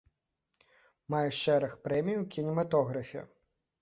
Мае шэраг прэмій у кінематографе.